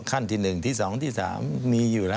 ขั้นที่๑ที่๒ที่๓มีอยู่นะ